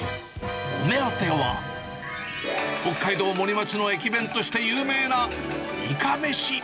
お目当ては、北海道森町の駅弁として有名ないかめし。